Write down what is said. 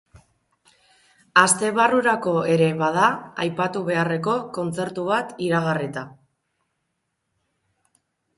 Aste barrurako ere bada aipatu beharreko kontzertu bat iragarrita.